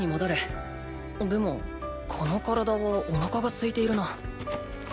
でもこの体はお腹が空いているな。